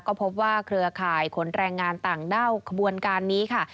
ก็พบว่าเครือข่ายขนแรงงานต่างด้าวขบวนการนี้ค่ะ